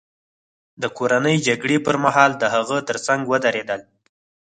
د کورنۍ جګړې پرمهال د هغه ترڅنګ ودرېدل.